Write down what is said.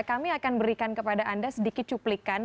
kami akan berikan kepada anda sedikit cuplikan